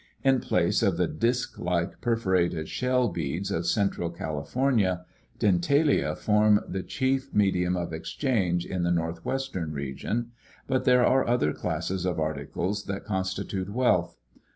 In place of the disk like perforated shell beads of central California, dentalia form the chief medium of exchange in the northwestern region, but there are other classes of articles that constitute wealth.